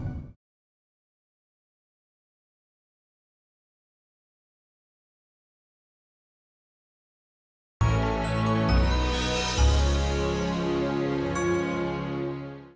kamu capean tuh